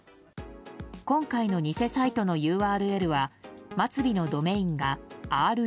今回の偽サイトのＵＲＬは末尾のドメインが「ｒｕ」。